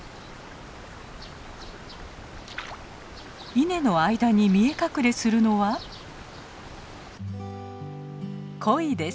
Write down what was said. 稲の間に見え隠れするのはコイです。